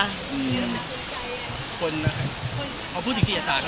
พูดจริงจริงอาจารย์เขาจะคิดถึงเราในระดับต้นอย่างไรคะ